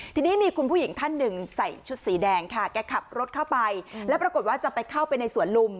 ทีนี้มีคุณผู้หญิงท่านหนึ่งใส่ชุดสีแดงค่ะแกขับรถเข้าไปแล้วปรากฏว่าจะไปเข้าไปในสวนลุม